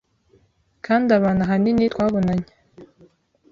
Kandi abantu ahanini twabonanye